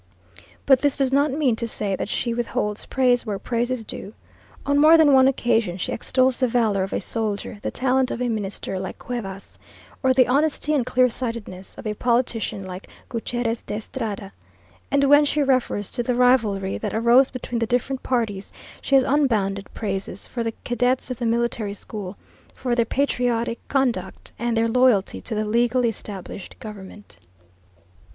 But this does not mean to say that she withholds praise where praise is due. On more than one occasion she extols the valour of a soldier, the talent of a Minister like Cuevas, or the honesty and clearsightedness of a politician like Gutierrez de Estrada; and when she refers to the rivalry that arose between the different parties, she has unbounded praises for the cadets of the Military School, for their patriotic conduct and their loyalty to the legally established government.